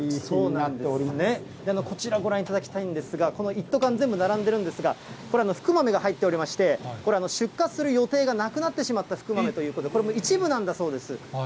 そうですね、こちらご覧いただきたいんですが、この一斗缶、全部並んでるんですが、これは福豆が入っておりまして、これ、出荷する予定がなくなってしまった福豆ということで、これは一部なんだそうです。